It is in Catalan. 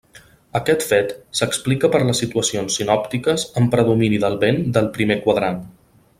Aquest fet s’explica per les situacions sinòptiques amb predomini del vent del primer quadrant.